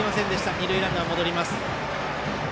二塁ランナー、戻ります。